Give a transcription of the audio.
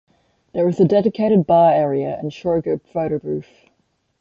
There is a dedicated bar area and showgirl photo booth.